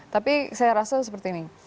tapi saya rasa seperti ini